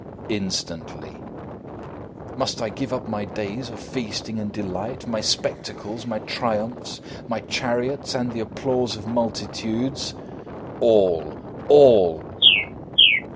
DEATH. Instantly! NERO. Must I give up my days of feasting and delight, my spectacles, my triumphs, my chariots and the applause of multitudes? DEATH. All! All!